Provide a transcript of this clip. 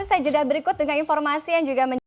saya juga berikut dengan informasi yang juga menarik